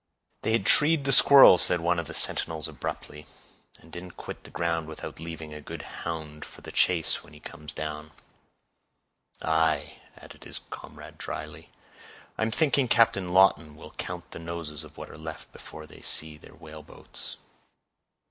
"They had treed the squirrel," said one of the sentinels abruptly, "and didn't quit the ground without leaving a good hound for the chase when he comes down." "Aye," added his comrade dryly, "I'm thinking Captain Lawton will count the noses of what are left before they see their whaleboats."